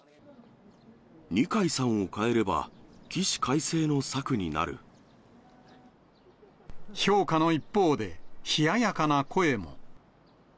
二階さんを代えれば、起死回評価の一方で、冷ややかな声も。